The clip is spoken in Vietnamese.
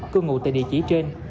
cư ngụ tại địa chỉ trên